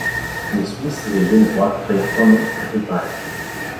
Les Suisses et les Genevois prirent Thonon et Ripaille.